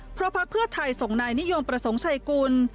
เพราะพักเพื่อไทยส่งนายนิยมประสงค์ชัยกุล